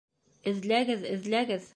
Эҙләгеҙ, эҙләгеҙ!..